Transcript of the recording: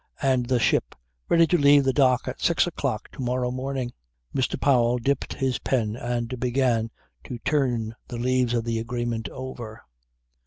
And the ship ready to leave the dock at six o'clock to morrow morning! "Mr. Powell dipped his pen and began to turn the leaves of the agreement over.